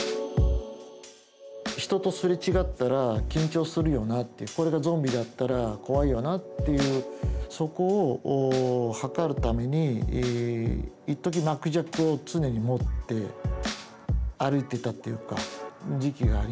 人とすれ違ったら緊張するよなっていうこれがゾンビだったら怖いよなっていうそこを測るためにいっとき巻き尺を常に持って歩いていたっていうか時期がありましたね。